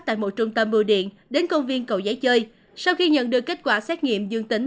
tại một trung tâm bưu điện đến công viên cậu giấy chơi sau khi nhận được kết quả xét nghiệm dương tính